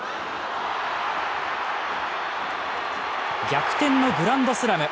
逆転のグランドスラム。